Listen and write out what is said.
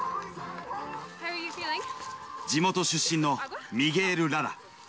地元出身のミゲール・ララ。